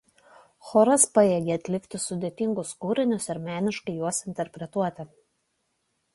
Choras pajėgė atlikti sudėtingesnius kūrinius ir meniškai juos interpretuoti.